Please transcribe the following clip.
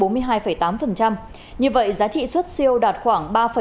như vậy giá trị xuất siêu đạt khoảng